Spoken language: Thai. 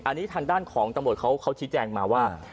อันนี้ทางด้านของตำรวจเขาชี้แจงมาว่า